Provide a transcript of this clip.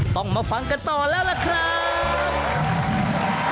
ต้องมาฟังกันต่อแล้วล่ะครับ